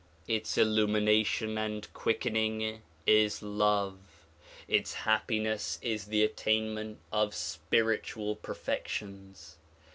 Its illumination and quickening is love. Its happiness is the attainment of spiritual perfections.